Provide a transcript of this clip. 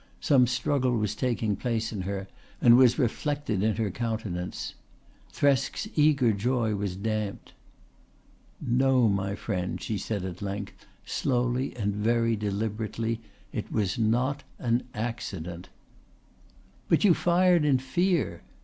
Some struggle was taking place in her and was reflected in her countenance. Thresk's eager joy was damped. "No, my friend," she said at length, slowly and very deliberately. "It was not an accident." "But you fired in fear."